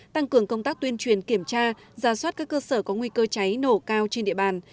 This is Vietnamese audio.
tăng cường công tác tuyên truyền kiểm tra giả soát các cơ sở có nguy cơ cháy nổ cao trên địa bàn